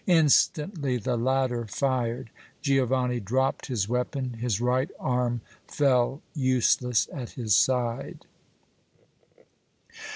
Instantly the latter fired. Giovanni dropped his weapon; his right arm fell useless at his side.